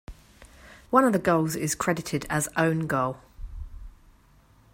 One of the goals is credited as own goal.